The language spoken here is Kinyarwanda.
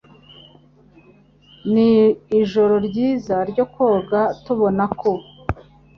Ni ijoro ryiza ryo koga ntubona ko